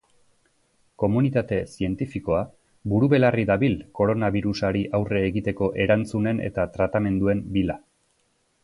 Komunitate zientifikoa buru-belarri dabil koronabirusari aurre egiteko erantzunen eta tratamenduen bila.